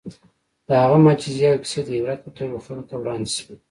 د هغه معجزې او کیسې د عبرت په توګه خلکو ته وړاندې شوي.